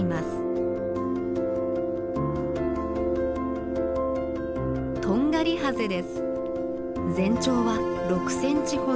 全長は６センチほど。